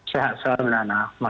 sehat selalu nana mas umam